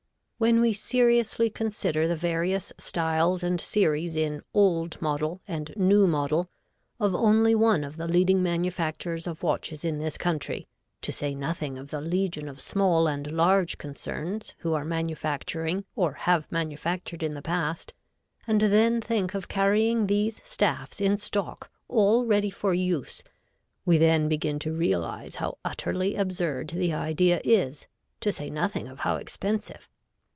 When we seriously consider the various styles and series in "old model" and "new model," of only one of the leading manufacturers of watches in this country, to say nothing of the legion of small and large concerns who are manufacturing or have manufactured in the past, and then think of carrying these staffs in stock, all ready for use, we then begin to realize how utterly absurd the idea is, to say nothing of how expensive!